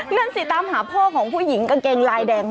นั่นสิตามหาพ่อของผู้หญิงกางเกงลายแดง